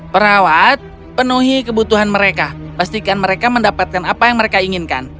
perawat penuhi kebutuhan mereka pastikan mereka mendapatkan apa yang mereka inginkan